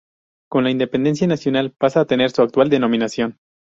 Con la independencia nacional pasa a tener su actual denominación.